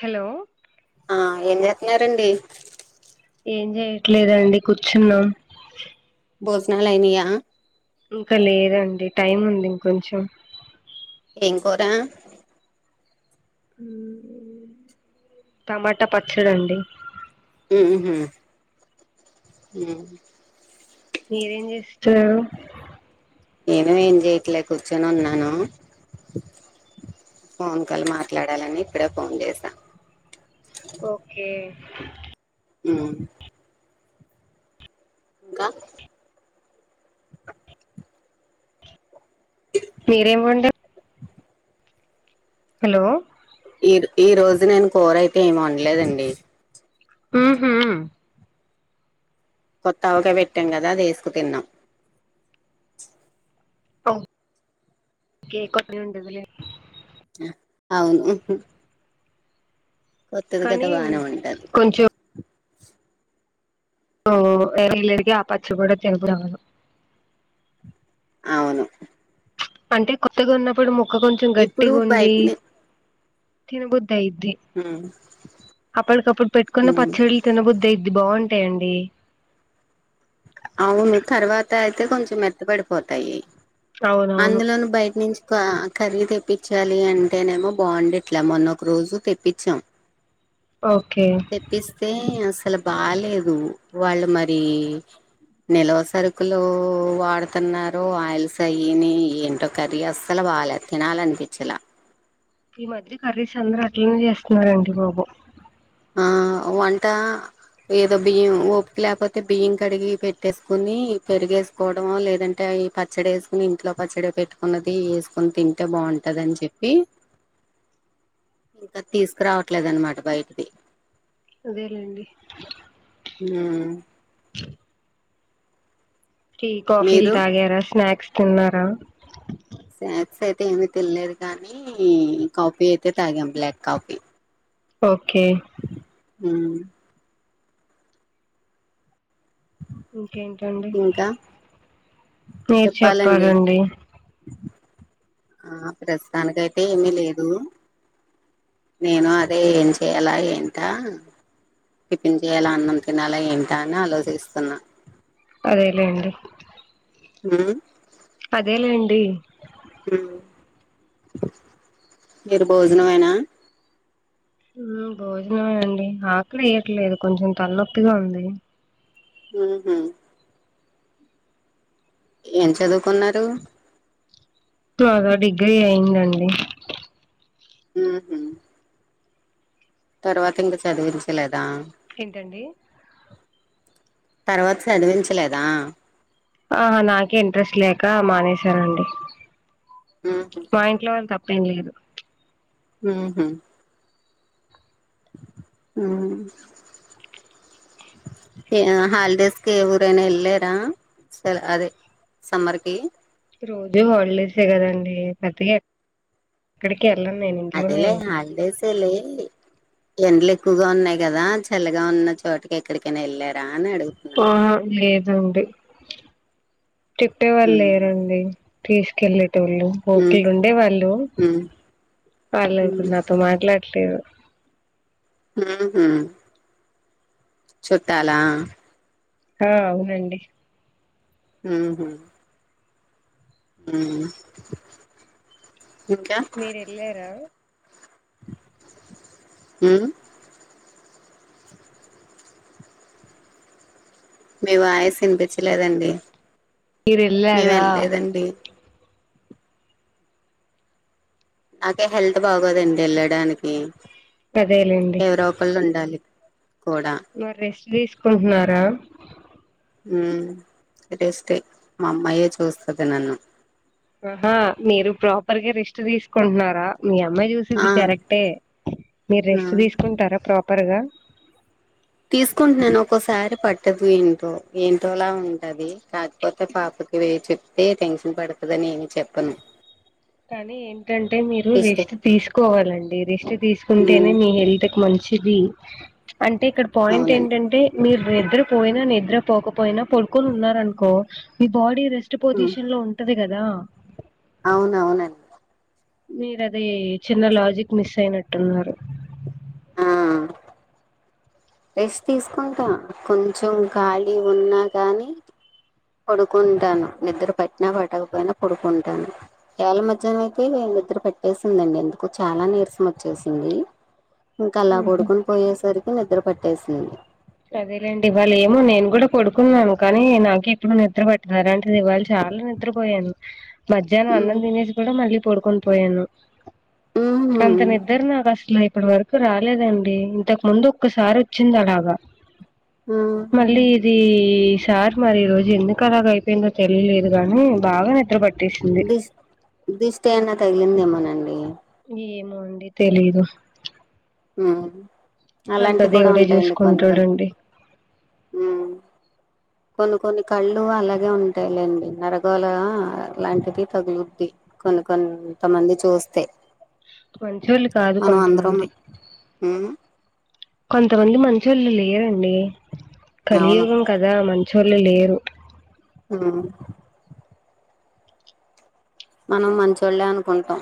Hello ఆ ఏం చేస్తున్నారండి ఏం చెయట్లేదండి కూర్చున్నాం భోజనాలు అయినాయా ఇంకా లేదండి టైం ఉంది ఇంకొంచెం ఏం కూర టమాటా పచ్చడి అండి ఉహు ఉ మీరేం చేస్తున్నారు నేను ఏం చేయట్లేదు కూర్చొని ఉన్నాను ఫోన్ కాల్ మాట్లాడాలని ఇప్పుడే ఫోన్ చేసా ఓకే ఉ ఇంకా మీరేం వండర్ హలో ఈ ఈ రోజు నేను కూర అయితే ఎం వండలేదండి ఉహు కొత్త అవకాయ పెట్టాం కదా అది వేసుకు తిన్నాం కొని ఉండదిలే అవును కొత్తది కదా కానీ బానే ఉంటది కొంచెం ఓ ఎరిలు ఎరిగి ఆ పచ్చి కూడా తెరుగు రావు అవును అంటే కొత్తగా ఉన్నప్పుడు ముక్క కొంచెం ఇప్పుడు గట్టిగా ఉండి బయటని తినబుద్ధి అయిద్ది ఉమ్, అప్పటికప్పుడు పెట్టుకున్న ఉమ్. పచ్చడి తిన బుద్ధి అయిద్ది బాగుంటాయండి అవును తర్వాత అయితే కొంచెం మెత్త పడిపోతాయి అవునవును అందులోను బయట నుంచి కా కర్రీ తెప్పించాలి అంటేనేమో బాగుండట్ల మొన్న ఒక రోజు తెప్పించాం ఓకే తెప్పిస్తే అసలు బాలేేదు వాళ్ళు మరి నిల్వ సరుకులు వాడుతున్నారు ఆయిల్స్ అయిని ఏంటో కర్రీ అసలు బాలేదు తినాలనిపించలా ఈ మధ్య కర్రీస్ అందరు అట్లనే చేస్తున్నారండి బాబు ఆ వంట ఏదో బియ్యం ఓపిక లేకపోతే బియ్యం కడిగి పెట్టేసుకుని పెరిగేసు కోవడము లేదంటే ఈ పచ్చడి వేసుకొని ఇంట్లో పచ్చడి పెట్టుకున్నది వేసుకొని తింటే బాగుంటది అని చెప్ ఈ ఇంకా తీసుకురావట్లేదు అనమాట బయటిది అదేలెండి మ్మ్ టీ కాఫీల్ మీరు తాగారా స్నాక్స్ తిన్నారా స్నాక్స్ అయితే ఏమి తిన్లేదు కానీ కాఫీ అయితే తాగాం బ్లాక్ కాఫీ ఓకే హ్మ్ ఇంకేంటండి. ఇంకా మీరు చెప్పాలండి. ఆ ప్రస్తుతానికి అయితే ఏమి లేదు నేను అదే ఏం చెయాల ఏంటా టిఫిన్ చేయాల అన్నం తినాలా ఏంటా అని ఆలోచిస్తున్నా అదేలేండి మ్మ్ అదేలేండి మ్ మీరు భోజనమేనా మ్ భోజనమే అండి ఆకలి వేయట్లేదు కొంచెం తలనొప్పిగా ఉంది మ్ హు ఏం చదువుకున్నారు నాదా డిగ్రీ అయిందండి. మ్ హు తర్వాత ఇంక చదివించలేదా ఏంటండి తర్వాత చదివించలేదా ఆహ నాకే ఇంట్రెస్ట్ లేక మానేసానండి. మ్ హు మా ఇంట్లో వాళ్ళ తప్పేం లేదు. మ్ హు మ్ ఏ హాలిడేస్కి ఏ ఊరైనా వెళ్ళరా సర్ అదే సమ్మర్కి రోజు హాలిడేసే కదండి. పెద్దగా ఎక్కడికి వెళ్ళాను నేను ఇంట్లోనే ఉంటాను. అంతేలేండి. ఎండల్ ఎక్కువగా ఉన్నాయి కదా చల్లగా ఉన్న చోటకి ఎక్కడికైనా వెళ్ళారా అని అడుగుత్ ఆహ లేదండి. తిప్పేవాళ్ళు ఉమ్ లేరండి. తీసుకెళ్ళే టోళ్ళు ఉమ్ ఓక్రు ఉండే వాళ్ళు ఉమ్ వాళ్ళిప్పుడు నాతో మాట్లాడట్లేదు. మ్మ్ హు చుట్టాలా ఆ అవునండి. మ్ హు మ్ ఇంకా మీరేళ్ళారా మ్ మీ వాయిస్ వినిపిచ్చలేదండి. మీరు వెళ్ళారా మేమేళ్ళలేదండి. నాకే హెల్త్ బాగోదండి వెళ్ళడానికి అదేలేండి ఎవరో ఒకళ్ళు ఉండాలి కూడా మరి రెస్ట్ తీసుకుంటున్నారా ఉమ్ రెస్టే మా అమ్మాయే చూస్తది నన్ను ఆహా మీరు ప్రాపర్గా రెస్ట్ తీసుకుంటున్నారా మీ అమ్మాయి చూసి ఆ ది కరెక్టే మీరు ఆ రెస్ట్ తీసుకుంటారా ప్రాపర్ గా తీసుకుంటున్నాను ఒక్కోసారి పట్టదు ఏంటో ఏంటోలా ఉంటది కా పోతే పాపకి వే చెప్తే టెన్షన్ పడుతుందిని ఏమి చెప్పను కానీ ఏం టంటే మీరు ఇస్తే రెస్ట్ తీసుకోవాలండి రెస్ట్ తీసుకుంటేనే ఉమ్ మీ హెల్త్ కు మంచిది అంటే ఇక్కడ పాయింట్ అవునండి ఏంటంటే మీరు నిద్ర పోయినా నిద్ర పోకపోయినా పడుకొని ఉన్నారు అనుకో మీ బాడీ రెస్ట్ ఉమ్ పొజిషన్ లో ఉంటది కదా అవునవునండి మీరు అది చిన్న లాజిక్ మిస్ అయినట్టున్నారు ఆ రెస్ట్ తీసుకుంటా కొంచెం ఖాళీ ఉన్నా గాని పడుకుంటాను నిద్ర పట్టినా పట్టకపోయినా పడుకుంటాను వేళ మధ్యాయనంకి నిద్ర పట్టేసిందండి ఎందుకో చాలా నీరసం వచ్చేసింది ఇంకా అలా పడుకుని పోయేసరికి నిద్ర పట్టేసింది అదేలేండి వాళ్ళ ఏమో నేను కూడా పడుకున్నాను కానీ నాకు ఎప్పుడు నిద్ర పట్ట అలాంటిది ఇవాళ చాలా నిద్రపోయాను మధ్యాహ్నం అన్నం ఉమ్ తినేసి కూడా మళ్ళీ పడుకొని పోయాను ఉహు అంత నిద్ద్ర నా అస్లా ఇప్పటి వరకు రాలేదండి ఇంతకు ముందు ఒక్కసారి వచ్చింది అలాగా ఆ మళ్ళీ ఇది సార్ మరి ఈ రోజు ఎందుకు అలాగ అయిపోయిందో తెలియలేదు గాని బాగా నిద్రపట్ట దిస్ దిస్టే అయినా తగిలిందేమోనండి ఏమో అండి తెలీదు ఉమ్ అంత అలాంటివి కూడా దేవుడే ఉంటాయండి కొన్ని కొన్ని చూసుకుంటాడండి కొన్ని కొన్ని కళ్ళు అలాగే ఉంటాయిలేండి నరగోల లాంటిది తగులుద్ది కొన్ని కొన్ కొంతమంది చూస్తే మంచోళ్ళు కాదు మనం అందరం కొంతమంది ఉమ్ కొంతమంది మంచోళ్ళు లేయరండి అవును కలియుగం కదా మంచోళ్ళు లేరు ఆ మనం మంచోళ్ళే అనుకుంటాం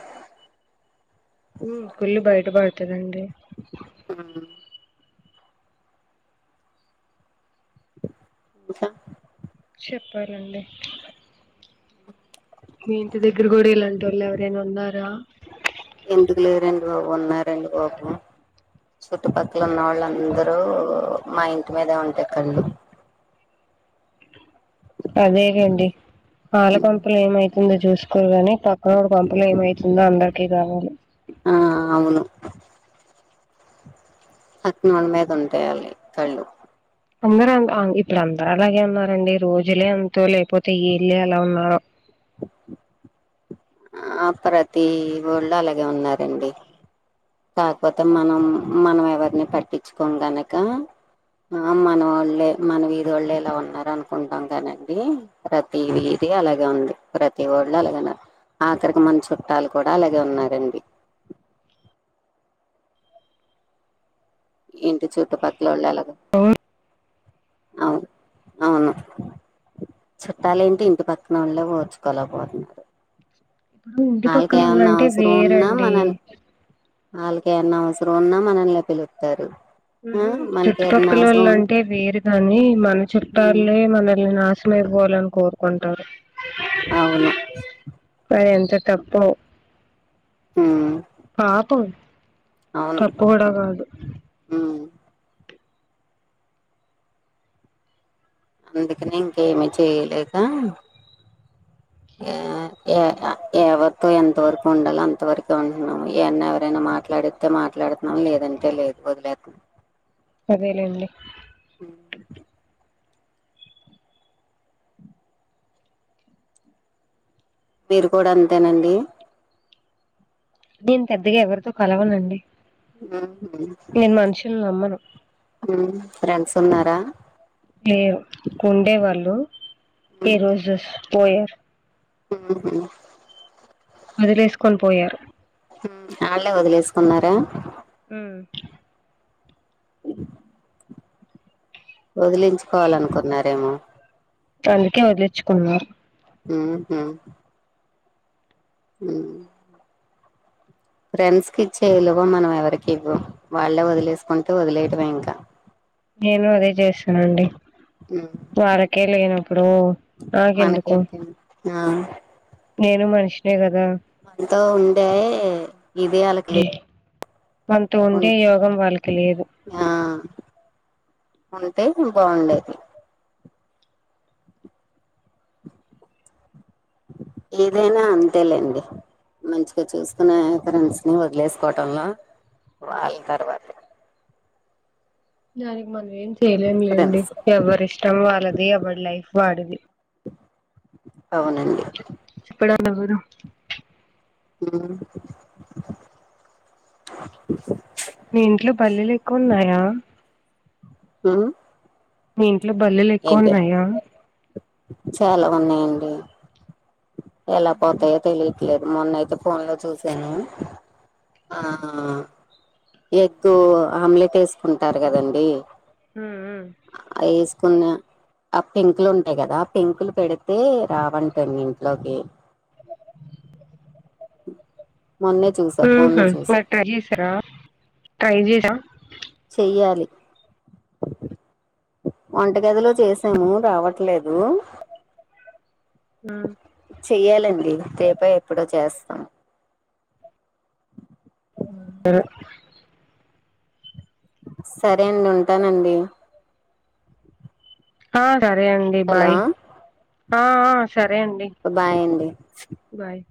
ఉమ్ కుళ్ళు బయట పడుతుందండి హ ఇంకా చెప్పాలండి మీ ఇంటి దగ్గర కూడా ఇలాంటి వాళ్ళు ఎవరైనా ఉన్నారా ఎందుకు లేరు అండి బాబు ఉన్నారు అండి బాబు చుట్టుపక్కల ఉన్న వాళ్ళ లందరూ మా ఇంటి మీదే ఉంటయి కళ్ళు అదే లెండి ఆలకొంపలు ఏమై ముందు చూసుకోరు కాగాని పక్కనోడి కొంపలో ఏమైతుందో అందరికి కావాలి ఆ అవును పక్కన వాళ్ళ మీద ఉంటయి వాళ్లవి కళ్ళు అందరూ అలా ఇప్పుడు అందరు అలాగే ఉన్నారండి రోజులే అంతో లేకపోతే ఈళ్లే అలా ఉన్నారో [inaudible] ఆ ప్రతి వోళ్ళు అలాగే ఉన్నారండి కాకపోతే మనం మనం ఎవరిని పట్టించుకోం గనక ఆ మనోళ్ళే మన వీదోళ్ళే ఇలా ఉన్నారనుకుంటాం కానండి ప్రతి వీధి అలాగే ఉంది ప్రతి వోళ్ళు అలాగే ఉన్నారు ఆఖరికి మన చుట్టాలు కూడా అలాగే ఉన్నారండి ఇంటి చుట్టుపక్కలోలు అలాగా ఏ హ్మ్ మ్మ్ చుట్టాలు ఏంటి ఇంటి పక్కనోళ్లేే ఓర్చుకోలేకపోతున్నారు ఇప్పుడు ఇంటి వాళ్ళకి పక్కన ఏమన్నా వాళ్ళంటే అవసరం ఉన్నా వేరండి మనని వాళ్ళకి ఏమన్నా అవసరం ఉన్నా మనల్నే పిలుత్తారు ఆ ఊహూ మనకి ఏదన్నా అవసరం చుట్టుపక్కలొల్లు అంటే వేరుగాని మన ఉం చుట్టాల్లె మనల్ని నాశ శనమై పోవాలని కోరుకుంటారు అవును అది ఎంత తప్పో హ్మ్ పాపం తప్పు కూడ కాదు హ్మ్ అందుకని ఇంకేమి చేయలేక ఎ ఎ ఎవరితో ఎంత వరకు ఉండాలో అంత వరకే ఉంటున్నాము ఏమన్న ఎవరైనా మాట్లాడే తే మాట్లాడుతున్నాం లేదంటే లేదు వదిలేతున్నాం సరేలేండి హ్మ్ మీరు కూడ అంతేనండి నేను పెద్దగా ఎవరితో కలవనండి హ్మ్ మ్మ్ నేను మనుషుల్ని నమ్మను ఫ్రెండ్స్ ఉన్నారా లేరు ఉండే వాళ్ళు ఈ రోజు పోయారు ఊహూ వదిలేసుకొని పోయారు ఆళ్లేే వదిలేసుకున్నారా హ్మ్ ఒదిలించుకోవాలనుకున్నారేమో అందుకే వదిలించుకున్నారు ఊహూ హ్మ్ ఫ్రెండ్స్ కి ఇచ్చే విలువ మనం ఎవరికి ఇవ్వం వాళ్ళే వదిలేసుకుంటే వదిలేయటమే ఇంకా నేను అదే చేసినండి మ్ వారకే లేనప్పుడు నాకెందుకు మనకేంటి ఆ నేను మనిషినే కదా ఎంతో ఉండే ఇది వాళ్ళకి లేదు మనతో ఉండే యోగం వాళ్ళకి లేదు ఆ ఉంటే బాగుండేది ఏదైనా అంతేలేండి మంచిగా చూసుకునే ఫ్రెండ్స్ ని వదిలేసుకోవటంలో వాళ్ళ తర్వాత దానికి మనం ఏం చేయలేం లేండి ఫ్రెండ్స్ ఎవరి ఇష్టం వాళ్ళది ఎవరి లైఫ్ వాడిది అవునండి చెప్పడాలేవరు ఉహ్ నీ ఇంట్లో బల్లీలు ఎక్కువ ఉన్నాయా హ్మ్ మీ ఇంట్లో బల్లులు ఎక్కువ ఉన్నాయా చాలా ఉన్నాయండి ఎలా పోతాయో తెలియద్ లేదు మొన్నయితే ఫోన్ లో చూసాను ఆ ఎగ్గు ఆమ్లెట్ వేసుకుంటారు కదండీ మ్మ్ మ్మ్ వేసుకున్న ఆ పెంకులు ఉంటాయి కదా ఆ పెంకులు పెడితే రావంట మీ ఇంట్లోకి మొన్నే [unintelligible] చూసా హ్మ్ ఫోన్ హు లో చూసా మరి ట్రై చేసారా ట్రై చేయరా చెయ్యాలి వంటగదిలో చేసాము రావట్లేదు మ్మ్ చెయ్యాలండి రేపో ఎప్పుడో చేస్తాం [unintelligible] సరే అండి ఉంటానండి ఆ సరే అండి హలో బాయ్ ఆ ఆ సరే అండి బాయ్ అండి బాయ్